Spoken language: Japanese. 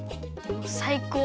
さいこう。